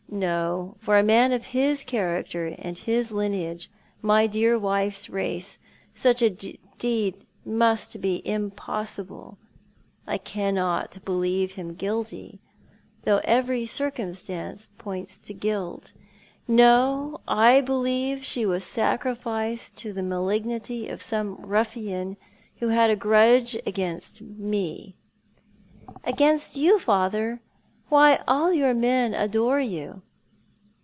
No, for a man of his character and his lineage, my dear wife's race — such a deed must bo impossible. I cannot believe hira guilty, though every circumstance points to guilt. No, I believe she was sacrificed to the mah'guity of some ruffian who had a grudge against me." "Against you, father ? Why, all your men adore you."